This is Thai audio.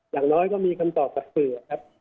อย่างน้อยก็มีคำตอบกับสื่อครับ